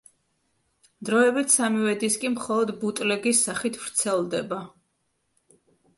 დროებით სამივე დისკი მხოლოდ ბუტლეგის სახით ვრცელდება.